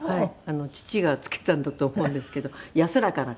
父が付けたんだと思うんですけど安らかな子。